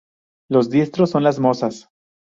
Los diestros son las mozas.